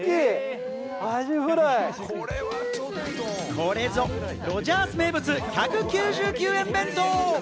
これぞロヂャース名物、１９９円弁当！